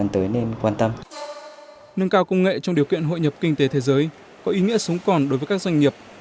nâng cao công nghệ trong điều kiện hội nhập kinh tế thế giới có ý nghĩa sống còn đối với các doanh nghiệp